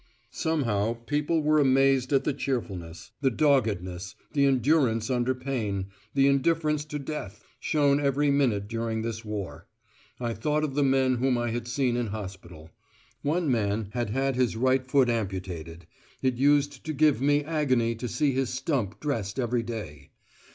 Somehow people were amazed at the cheerfulness, the doggedness, the endurance under pain, the indifference to death, shown every minute during this war. I thought of the men whom I had seen in hospital. One man had had his right foot amputated; it used to give me agony to see his stump dressed every day.